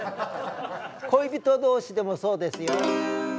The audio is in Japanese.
恋人同士でもそうですよ。